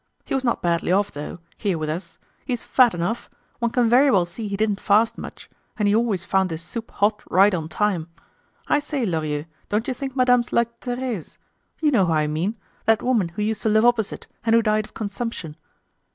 He was not badly off though, here with us. He's fat enough; one can very well see he didn't fast much; and he always found his soup hot right on time. I say, Lorilleux, don't you think madame's like Therese—you know who I mean, that woman who used to live opposite, and who died of consumption?"